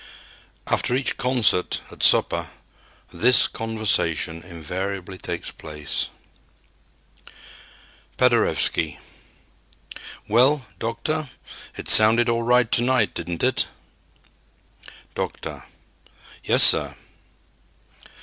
After each concert, at supper, this conversation invariably takes place: Paderewski: "Well, 'Doctor,' it sounded all right to night, didn't it?" "Doctor": "Yes, sir."